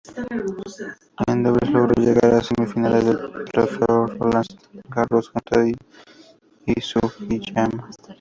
En dobles logró llegar a semifinales del trofeo Roland Garros junto a Ai Sugiyama.